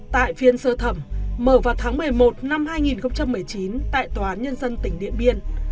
tại phiên sơ thẩm mở vào tháng một mươi một năm hai nghìn một mươi chín tại tòa án nhân dân tỉnh điện biên